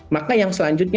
maka yang selanjutnya